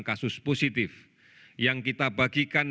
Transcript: kasus positif yang kita bagikan